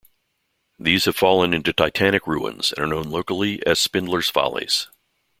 These have fallen into titanic ruins and are known locally as "Spindler's Follies".